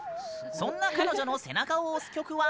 そんな彼女の背中を押す曲は？